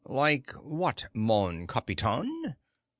"Like what, mon capitain?"